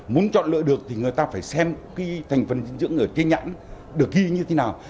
muốn chọn lựa được thì người ta phải xem cái thành phần dinh dưỡng ở trên nhãn được ghi như thế nào